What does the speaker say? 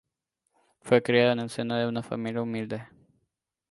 Fue criado en el seno de una familia humilde.